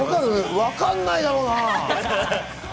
わかんないだろうな。